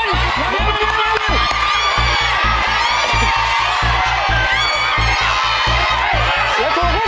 แล้วถูกพูดบอกจดแล้ว